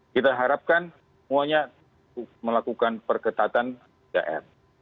kita harapkan semuanya melakukan perketatan jn